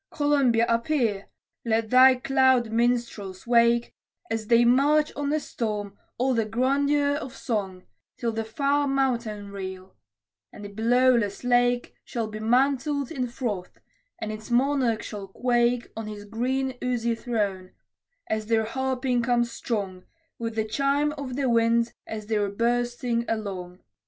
Columbia, appear! Let thy cloud minstrels wake, As they march on the storm, all the grandeur of song, Till the far mountain reel and the billowless lake Shall be mantled in froth, and its Monarch shall quake On his green oozy throne, as their harping comes strong, With the chime of the winds as they're bursting along.